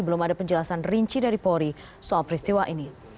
belum ada penjelasan rinci dari polri soal peristiwa ini